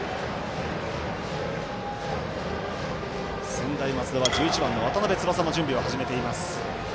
専大松戸は１１番の渡邉翼も準備を始めています。